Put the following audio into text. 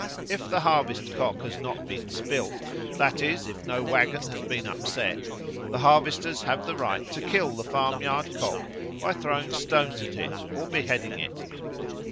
It the Harvest cock has not been spilt that is, if no waggon has been upset the harvesters have the right to kill the farmyard cock by throwing stones at it or beheading it.